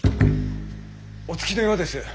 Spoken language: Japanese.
お着きのようです。